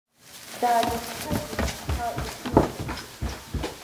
Даагазҽазит, аха лыҽнылкылт.